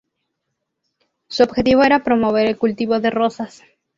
Su objetivo era promover el cultivo de rosas.